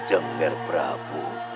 jangan lupa prabu